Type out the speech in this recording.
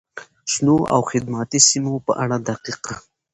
شنو او خدماتي سیمو په اړه دقیق،